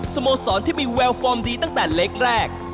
สโมสรที่มีแววฟอร์มดีตั้งแต่เล็กแรก